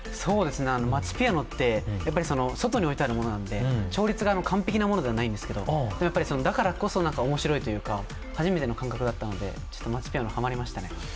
まちピアノって外に置いてあるものなので調律が完璧なものではないんですけど、でも、だからこそ面白いというか、初めての感覚だったので、まちピアノ、ハマリましたね。